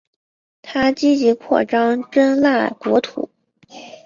他积极扩张真腊国土。